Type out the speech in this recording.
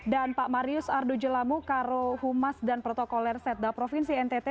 dan pak marius ardo jelamu karo humas dan protokoler setda provinsi ntt